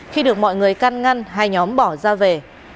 khi được mọi người căn ngăn hai nhóm bỏ ra về